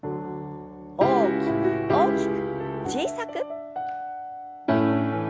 大きく大きく小さく。